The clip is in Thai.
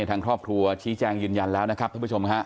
ทางครอบครัวชี้แจงยืนยันแล้วนะครับท่านผู้ชมฮะ